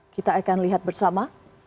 kita akan lihat bersama